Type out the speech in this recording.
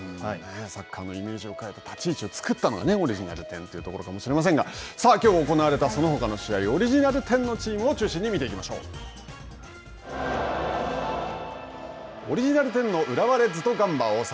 サッカーのイメージを変えた、立ち位置を作ったのがオリジナル１０というところかもしれませんが、さあきょう行われたそのほかの試合、オリジナル１０の試合を中心に見ていきましょオリジナル１０の浦和レッズとガンバ大阪。